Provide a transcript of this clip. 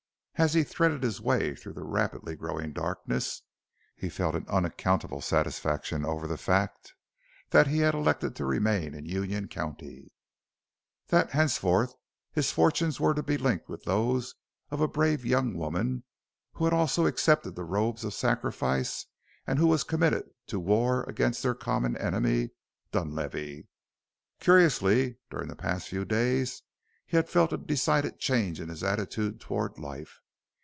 As he threaded his way through the rapidly growing darkness he felt an unaccountable satisfaction over the fact that he had elected to remain in Union County; that henceforth his fortunes were to be linked with those of a brave young woman who had also accepted the robes of sacrifice and who was committed to war against their common enemy Dunlavey. Curiously, during the past few days he had felt a decided change in his attitude toward life.